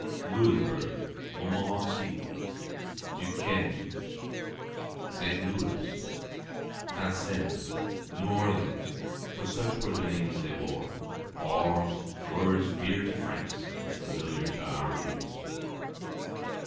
Louisbourg, Montmorency, Duquesne, St. Louis, Vincennes, New Orleans (for such were the names they bore) are words dear to France and familiar to our ears.